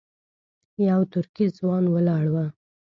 یو ترکی ځوان ولاړ و.